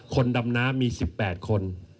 ดำน้ำมี๑๘คน